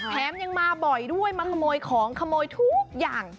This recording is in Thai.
แถมยังมาบ่อยด้วยมาขโมยของขโมยทุกอย่าง